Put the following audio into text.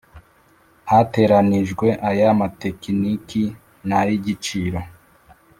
Hateranyijwe aya tekiniki n ay igiciro